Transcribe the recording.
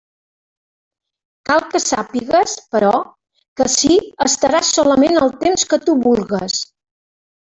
Cal que sàpigues, però, que ací estaràs solament el temps que tu vulgues.